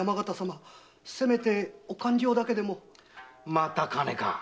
また金か。